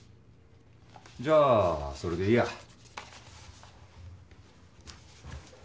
じゃあそれでいいや。